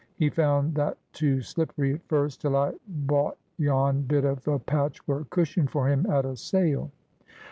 He found that too slippery at first, till I bought yon bit of a patchwork cushion for him at a sale."